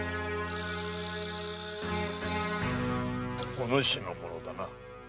お主の物だな。